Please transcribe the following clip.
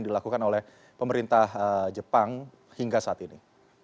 dilakukan oleh pemerintah jepang hingga saat ini